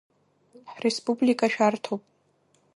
Ҳреспублика шәарҭоуп.